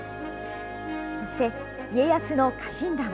そして、家康の家臣団。